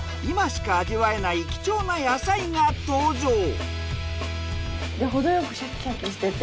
今しか味わえない貴重な野菜が登場。